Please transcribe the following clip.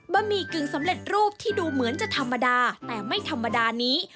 หมี่กึ่งสำเร็จรูปที่ดูเหมือนจะธรรมดาแต่ไม่ธรรมดานี้